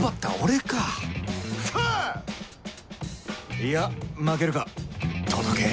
いや負けるか届け